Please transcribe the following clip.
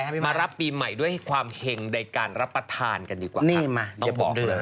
อะไรฮะพี่มันบวยความเห็นในการรับประทานกันดีกว่ามาอย่าบอมดึง